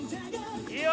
いいよ！